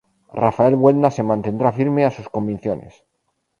Rafael Buelna se mantendrá firme a sus convicciones.